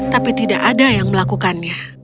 tapi tidak ada yang melakukannya